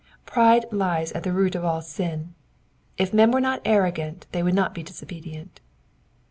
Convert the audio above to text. Pride lies at the root of all sin : if men were not arrogant they would not be disobedient.